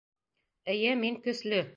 Эйе, мин көслө!